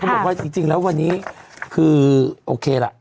เอ่ยวันนี้คือโอเคละ